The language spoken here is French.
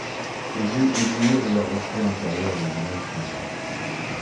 Ses yeux éblouirent de leurs reflets intérieurs le jeune homme sans voix.